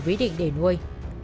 vĩ định để nuôi